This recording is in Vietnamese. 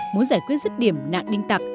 muốn giải quyết rứt điểm nạn đinh tặc